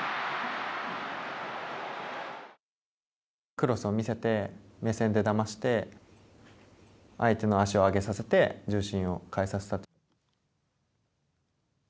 クロスを見せて目線でだまして相手の足を上げさせて重心を変えさせた。